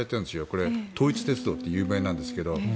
これ、統一鉄道って有名なんですけど。